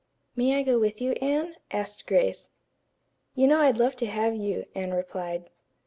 "May I go with you, Anne?" asked Grace. "You know I'd love to have you," Anne replied.